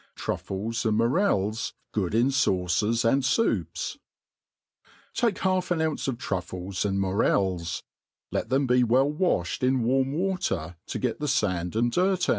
Truffles and Morels good in Sauces and Soups* TAKE half an ounce of truiBes and morels, let them be well waded ia warm water to get the fand and dirt